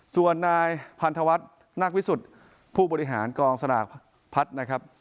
ส่วนนายพันธวัฒน์นาควิสุทธิ์ผู้บริหารกองสลากพัฒน์นะครับ